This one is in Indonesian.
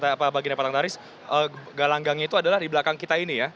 jadi pak baginda batang taris gelanggangnya itu adalah di belakang kita ini ya